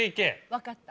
分かった。